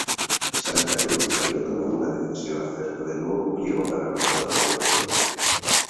Santa Cruz había tomado una decisión acerca del nuevo pliego para los trabajadores.